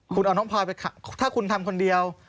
คุณเอาน้องพลอยไปถ้าคุณทำคนเดียว